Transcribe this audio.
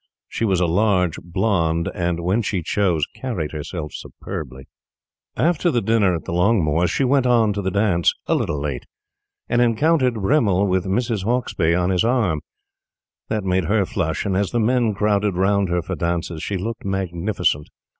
She was a large blonde and, when she chose, carried herself superbly. After the dinner at the Longmores, she went on to the dance a little late and encountered Bremmil with Mrs. Hauksbee on his arm. That made her flush, and as the men crowded round her for dances she looked magnificent.